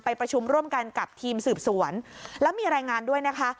ประชุมร่วมกันกับทีมสืบสวนแล้วมีรายงานด้วยนะคะ